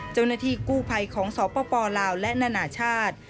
เจ้าหน้าที่กู้ภัยของสปลาวและนานาชาติ